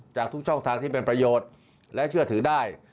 จากทุกช่องทางที่เป็นประโยชน์และเชื่อถือได้